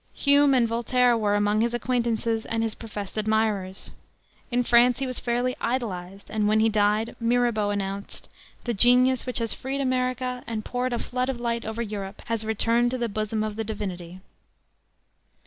Hume and Voltaire were among his acquaintances and his professed admirers. In France he was fairly idolized, and when he died Mirabeau announced, "The genius which has freed America and poured a flood of light over Europe has returned to the bosom of the Divinity."